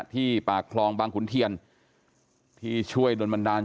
ที่ปากคลองบางขุนเทียนที่ช่วยโดนบันดาล